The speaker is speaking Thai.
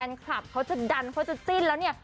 แฟนคลับเค้าจะดันเค้าจะจิ้นแล้วเนี่ย